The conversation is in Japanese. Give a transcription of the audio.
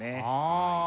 ああ。